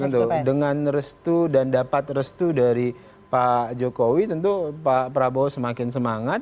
betul dengan restu dan dapat restu dari pak jokowi tentu pak prabowo semakin semangat